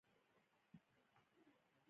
د څښاک پاکې اوبه ټولو سیمو ته رسیږي.